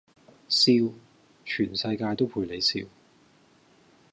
笑，全世界都陪你笑